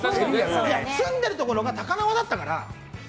住んでるところが高輪だったから。